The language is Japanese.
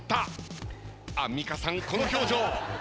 アンミカさんこの表情。